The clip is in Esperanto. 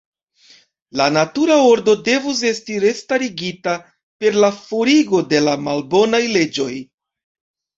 La natura ordo devus esti restarigita per la forigo de la malbonaj leĝoj.